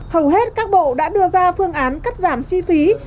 hầu hết các bộ đã đưa ra phương án cắt giảm chi phí